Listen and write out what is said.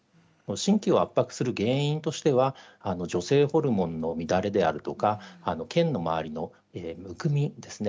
神経を圧迫する原因としては女性ホルモンの乱れであるとか腱のまわりのむくみですね